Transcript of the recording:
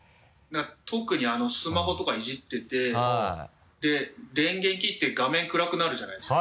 特にスマホとかいじってて電源切って画面暗くなるじゃないですか。